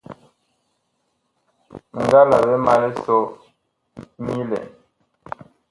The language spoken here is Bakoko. Mi nga la ɓe ma lisɔ nyilɛn.